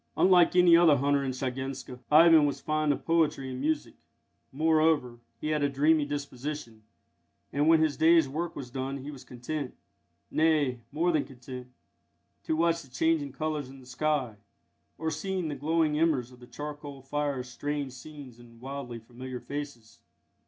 Unlike any other hunter in Shiganska, Ivan was fond of poetry and music; moreover, he had a dreamy disposition, and when his day's work was done he was content nay, more than content to watch the changing colours in the sky, or see in the glowing embers of the charcoal fire strange scenes and wildly familiar faces.